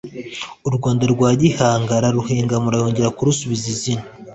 u Rwanda rwa Gihanga araruhengamura yongera kurusubiza izina